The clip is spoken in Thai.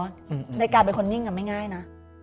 ในการเป็นคนนิ่งไม่ง่ายนะ